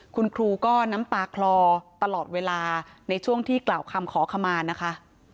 คุณครูก็น้ำตาคลอตลอดเวลาในช่วงที่กล่าวคำขอขมานะคะ